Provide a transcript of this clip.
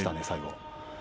最後